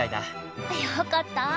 よかった。